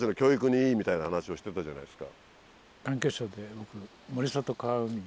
みたいな話をしてたじゃないですか。